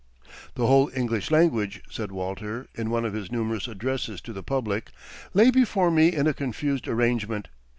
"The whole English language," said Walter, in one of his numerous addresses to the public, "lay before me in a confused arrangement.